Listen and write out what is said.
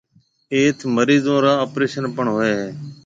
ايٿ مريضون را آپريشن پڻ ھوئيَ ھيََََ